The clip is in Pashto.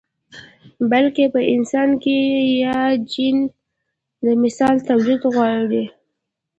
بلکې په انسان کې ياد جېن د مثل توليد غواړي.